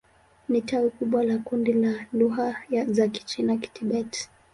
Ni tawi kubwa la kundi la lugha za Kichina-Kitibet.